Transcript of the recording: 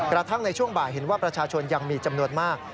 กระทั่งในช่วงบ่ายเห็นว่าประชาชนยังมีจำนวนมาก